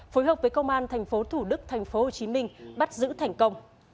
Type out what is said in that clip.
phối hợp với công an thành phố thủ đức thành phố hồ chí minh bắt giữ thành công